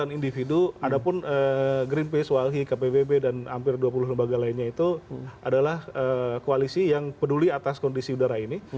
dengan individu ada pun greenpeace walhi kpbb dan hampir dua puluh lembaga lainnya itu adalah koalisi yang peduli atas kondisi udara ini